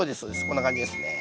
こんな感じですね。